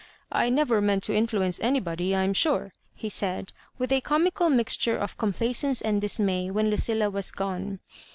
" I never meant to influence anybody, I am sure," he said, with a comical mixture of complacence and dis may, when Lucilla was gone.